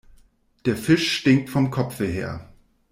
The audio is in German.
Der Fisch stinkt vom Kopfe her.